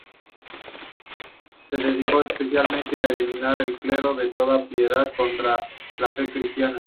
Se dedicó especialmente a eliminar del clero toda piedad contraria a la fe cristiana.